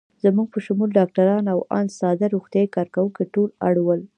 زموږ په شمول ډاکټران او آن ساده روغتیايي کارکوونکي ټول اړ ول.